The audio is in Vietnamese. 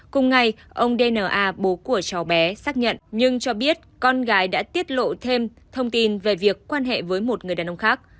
cùng ngày ông dna bố của cháu bé xác nhận nhưng cho biết con gái đã tiết lộ thêm thông tin về việc quan hệ với một người đàn ông khác